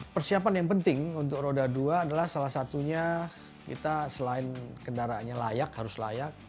persiapan yang penting untuk roda dua adalah salah satunya kita selain kendaraannya layak harus layak